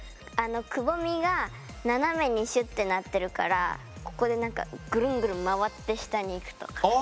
あのくぼみが斜めにしゅってなってるからここで何かぐるんぐるん回って下に行くとか。